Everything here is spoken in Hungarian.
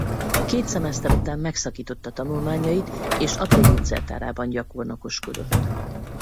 Két szemeszter után megszakította tanulmányait és apja gyógyszertárában gyakornokoskodott.